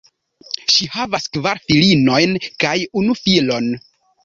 Ŝi havas kvar filinojn kaj unu filon.